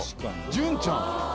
潤ちゃん。